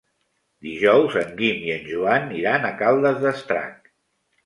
Dijous en Guim i en Joan iran a Caldes d'Estrac.